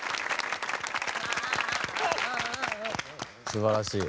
すばらしい。